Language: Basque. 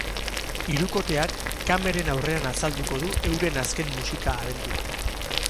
Hirukoteak kameren aurrean azalduko du euren azken musika abentura.